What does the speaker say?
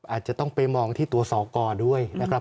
อาจจะต้องไปมองที่ตัวสอกรด้วยนะครับ